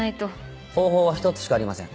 方法は一つしかありません。